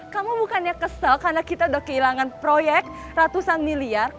kamu bukannya kesel karena kita sudah kehilangan proyek ratusan miliar